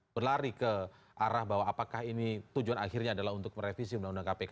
berlari ke arah bahwa apakah ini tujuan akhirnya adalah untuk merevisi undang undang kpk